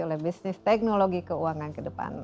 oleh bisnis teknologi keuangan ke depan